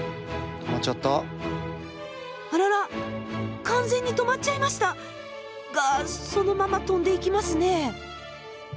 あらら完全に止まっちゃいましたがそのまま飛んでいきますね。